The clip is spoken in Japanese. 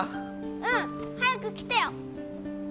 うん、早く来てよ。